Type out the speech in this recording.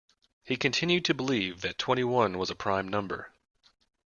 He continued to believe that twenty-one was a prime number